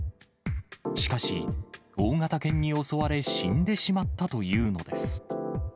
しかし、大型犬に襲われ死んでしまったというのです。